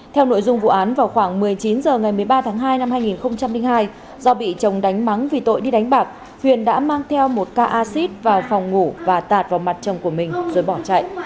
theo nội dung vụ án vào khoảng một mươi chín h ngày một mươi ba tháng hai năm hai nghìn hai do bị chồng đánh mắng vì tội đi đánh bạc huyền đã mang theo một ca acid vào phòng ngủ và tạt vào mặt chồng của mình rồi bỏ chạy